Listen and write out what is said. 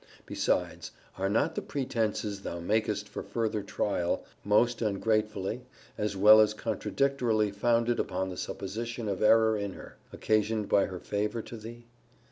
Besides, are not the pretences thou makest for further trial, most ungratefully, as well as contradictorily founded upon the supposition of error in her, occasioned by her favour to thee?